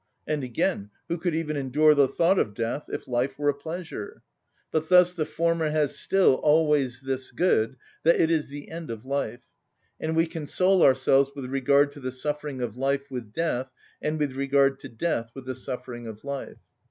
And again, who could even endure the thought of death if life were a pleasure! But thus the former has still always this good, that it is the end of life, and we console ourselves with regard to the suffering of life with death, and with regard to death with the suffering of life.